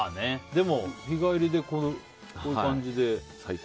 でも日帰りでこういう感じで。